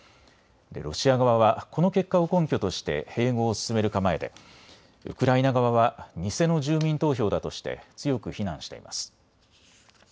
ロシア側はこの結果を根拠として併合を進める構えでウクライナ側は偽の住民投票だとして強く非難しています。